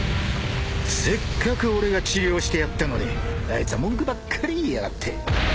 ［せっかく俺が治療してやったのにあいつは文句ばっかり言いやがって］